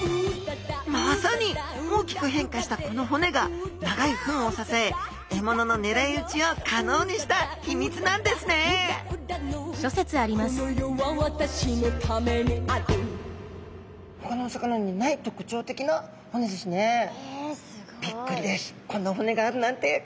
まさに大きく変化したこの骨が長い吻を支え獲物のねらい撃ちを可能にした秘密なんですねえすごい。びっくりです！